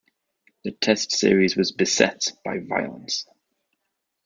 The test series was beset by violence.